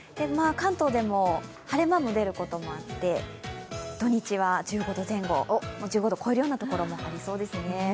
関東でも晴れ間もでることもあって土日は１５度前後、１５度超えるようなところもありそうですね。